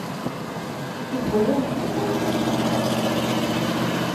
Ihwa-yawen kan truḥem.